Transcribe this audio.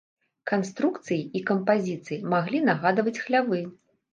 Канструкцыяй і кампазіцыяй маглі нагадваць хлявы.